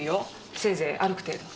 せいぜい歩く程度。